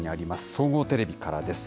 総合テレビからです。